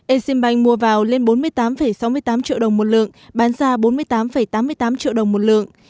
exim bank mua vào lên bốn mươi tám sáu mươi tám triệu đồng một lượng bán ra bốn mươi tám tám mươi tám triệu đồng một lượng